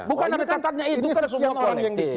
bukan ada cacatnya itu kan